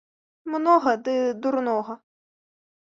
Многа ды дурнога